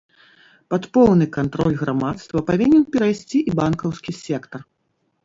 Пад поўны кантроль грамадства павінен перайсці і банкаўскі сектар.